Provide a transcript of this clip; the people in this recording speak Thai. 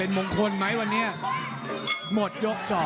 ทอง๕พระยักษ์